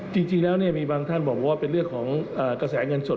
จริงแล้วมีบางท่านบอกว่าเป็นเรื่องของกระแสเงินสด